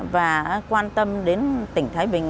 và quan tâm đến tỉnh thái bình